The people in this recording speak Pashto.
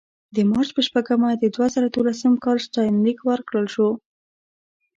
د مارچ په شپږمه د دوه زره دولسم کال ستاینلیک ورکړل شو.